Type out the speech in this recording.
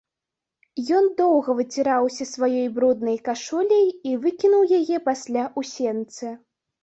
Ён доўга выціраўся сваёй бруднай кашуляй і выкінуў яе пасля ў сенцы.